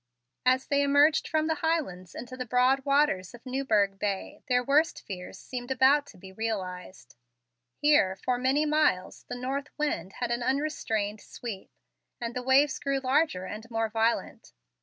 As they emerged from the Highlands into the broad waters of Newburgh Bay, their worst fears seemed about to be realized. Here, for many miles, the north wind had an unrestrained sweep, and the waves grew larger and more violent.